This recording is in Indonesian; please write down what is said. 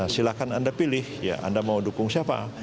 silahkan anda pilih ya anda mau dukung siapa